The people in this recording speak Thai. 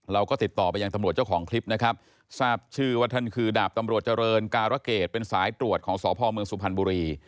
เราก็ติดต่อไปยังตำรวจเจ้าของคลิปนะครับทราบชื่อว่าท่านคือดาบตำรวจเจริญการะเกดเป็นสายตรวจของสพเมืองสุพรรณบุรี